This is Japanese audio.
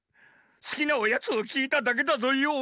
すきなおやつをきいただけだぞよ。